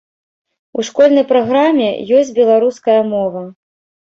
У школьнай праграме ёсць беларуская мова.